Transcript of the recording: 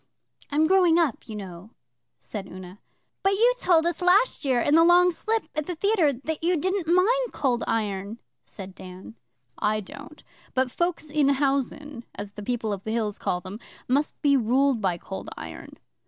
I'm growing up, you know,' said Una. 'But you told us last year, in the Long Slip at the theatre that you didn't mind Cold Iron,' said Dan. 'I don't; but folks in housen, as the People of the Hills call them, must be ruled by Cold Iron.